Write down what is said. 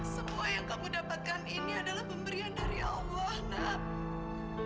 semua yang kamu dapatkan ini adalah pemberian dari allah nak